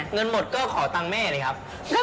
เงินหมดก็ขอตังค์แม่เลยครับ